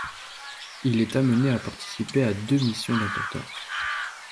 Il est amené à participer à deux missions d'importance.